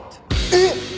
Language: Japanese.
えっ！？